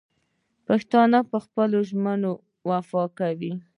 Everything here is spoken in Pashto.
پښتون په خپلو ژمنو وفا کوي.